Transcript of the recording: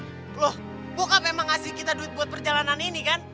loh buka memang ngasih kita duit buat perjalanan ini kan